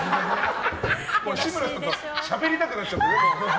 志村さんとしゃべりたくなっちゃうね。